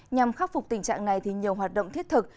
nhằm khắc phục tình trạng này thì nhiều hoạt động thiết thực